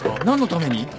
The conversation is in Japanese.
何のために？